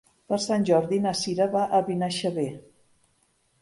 Per Sant Jordi na Sira va a Benaixeve.